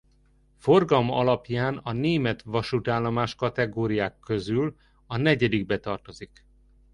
Forgalma alapján a Német vasútállomás-kategóriák közül a negyedikbe tartozik.